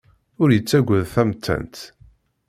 Ur yettagad tamettant.